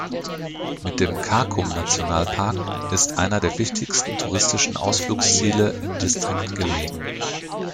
Mit dem Kakum-Nationalpark ist einer der wichtigsten touristischen Ausflugsziele im Distrikt gelegen.